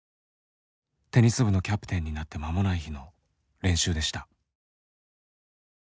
テニス部のキャプテンになって間もない日の練習でした。